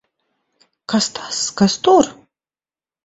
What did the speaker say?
Kas tas! Kas tur!